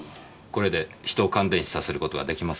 これで人を感電死させることはできますか？